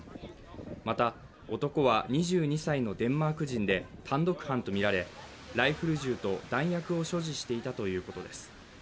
また、男は２２歳のデンマーク人で単独犯とみられライフル銃と弾薬を所持していたということです。